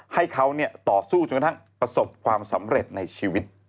ให้เขาต่อสู้จนกระทั่งประสบความสำเร็จในชีวิต